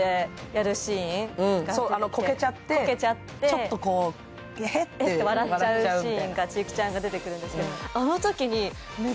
ちょっと笑っちゃうシーンが千雪ちゃんに出てくるんですけど。